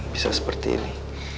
bisa seperti ini